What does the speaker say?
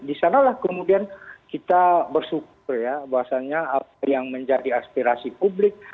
di sanalah kemudian kita bersyukur ya bahwasannya apa yang menjadi aspirasi publik